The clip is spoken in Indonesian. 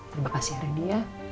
terima kasih rendy ya